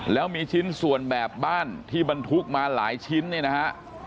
แล้วมีชิ้นส่วนแบบบ้านที่บรรทุกมาหลายชิ้นเนี่ยนะฮะ